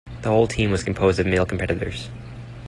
The whole team was composed of male competitors.